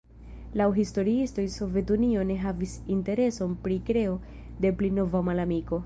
Laŭ historiistoj Sovetunio ne havis intereson pri kreo de pli nova malamiko.